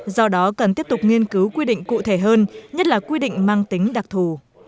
do đó cần tiếp tục nghiên cứu quy định cụ thể hơn nhất là quy định mang tính đặc thù